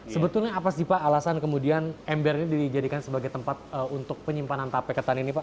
sebetulnya apa sih pak alasan kemudian ember ini dijadikan sebagai tempat untuk penyimpanan tape ketan ini pak